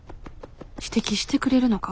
指摘してくれるのか？